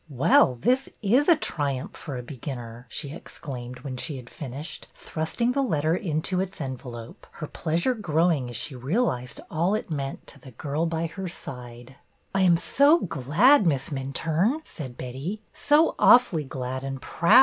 '' Well, this is a triumph for a beginner! " she exclaimed, when she had finished, thrusting the letter into its envelope, her pleasure growing as she realized all it meant to the girl by her side. 310 BETTY BAIRD'S VENTURES '' I am so glad, Miss Minturne," said Betty, so awfully glad and proud.